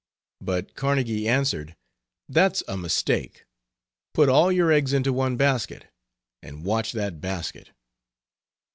But Carnegie answered, "That's a mistake; put all your eggs into one basket and watch that basket."